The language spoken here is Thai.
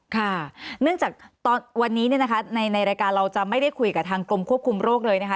ค่ะเนื่องจากวันนี้ในรายการเราจะไม่ได้คุยกับทางกรมควบคุมโรคเลยนะคะ